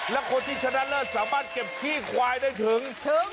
และคนที่ชนะเลิศสามารถเก็บขี้ควายได้ถึง